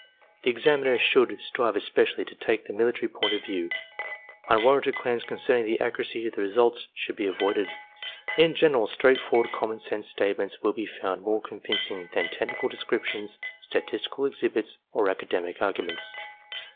The examiner should strive especially to take the military point of view. Unwar ranted claims concerning the accuracy of the results should be avoided. In general, straightforward common sense statements will be found more convincing than technical descriptions, statistical exhibits, or academic arguments.